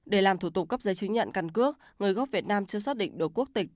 để làm thủ tục cấp giấy chứng nhận căn cước người gốc việt nam chưa xác định được quốc tịch